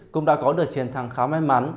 cũng đã có đợt chiến thắng khá may mắn